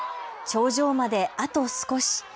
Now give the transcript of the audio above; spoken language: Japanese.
頂上まであと少し。